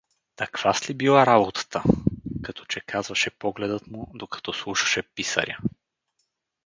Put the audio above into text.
„Такваз ли била работата!“ — като че казваше погледът му, докато слушаше писаря.